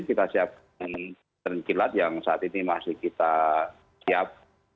kita siapkan terngkilat yang saat ini masih kita siap